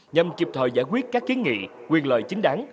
nhằm kịp thời giải quyết các kiến nghị quyền lợi chính đáng